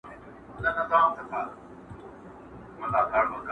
هغه ورځ به را ویښیږي چي د صور شپېلۍ ږغیږي.!